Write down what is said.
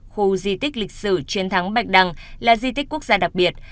khu di tích lịch sử chiến thắng bạch đăng là di tích quốc gia đặc biệt